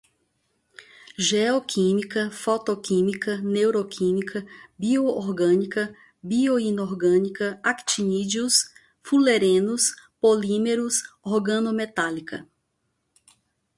geoquímica, fotoquímica, neuroquímica, bio-orgânica, bioinorgânica, actinídeos, fulerenos, polímeros, organometálica